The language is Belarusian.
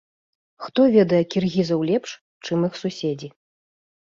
Хто ведае кіргізаў лепш, чым іх суседзі.